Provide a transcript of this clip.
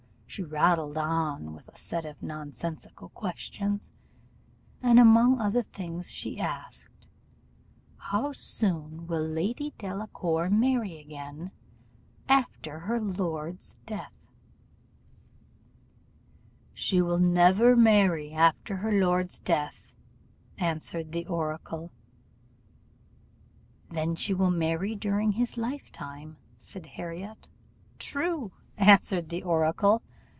She rattled on with a set of nonsensical questions; and among other things she asked, 'How soon will Lady Delacour marry again after her lord's death?' "'She will never marry after her lord's death,' answered the oracle. 'Then she will marry during his lifetime,' said Harriot. 'True,' answered the oracle.